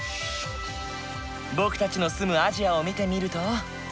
僕たちの住むアジアを見てみると。